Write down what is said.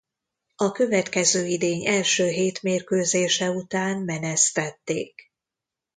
A következő idény első hét mérkőzése után menesztették.